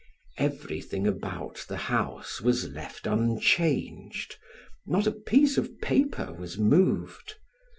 Everything about the house was left unchanged, not a piece of paper was moved.